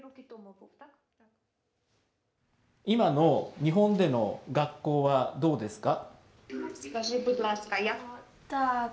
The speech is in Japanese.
今の日本での学校はどうですか。